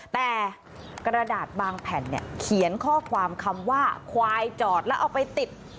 แต่กระดาษบางแผ่นเนี่ยเขียนข้อความคำว่าควายจอดแล้วเอาไปติด